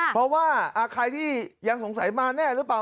เพราะว่าใครที่ยังสงสัยมาแน่หรือเปล่า